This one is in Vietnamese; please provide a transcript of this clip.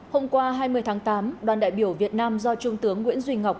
hôm qua hai mươi tháng tám đoàn đại biểu việt nam do trung tướng nguyễn duy ngọc